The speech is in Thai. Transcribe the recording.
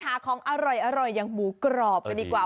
หาของอร่อยอย่างหมูกรอบกันดีกว่า